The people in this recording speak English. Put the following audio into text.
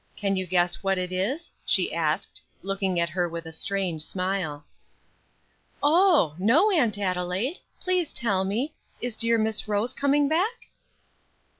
Can you guess what it is?" she asked, looking at her with a strange smile. "Oh! no, Aunt Adelaide; please tell me. Is dear Miss Rose coming back?"